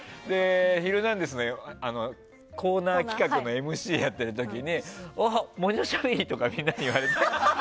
「ヒルナンデス！」のコーナー企画のＭＣをやっている時にモニョしゃべりとかみんなに言われて。